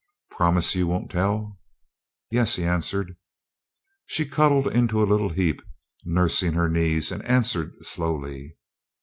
"Promise you won't tell?" "Yes," he answered. She cuddled into a little heap, nursing her knees, and answered slowly.